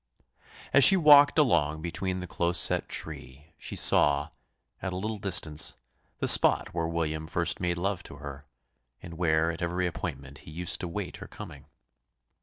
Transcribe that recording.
As she walked along between the close set tree, she saw, at a little distance, the spot where William first made love to her; and where at every appointment he used to wait her coming.